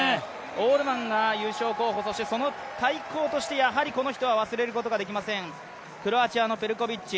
オールマンが優勝候補、そして対抗としてやはりこの人は忘れることはできませんクロアチアのペルコビッチ。